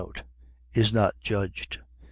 Is not judged. ..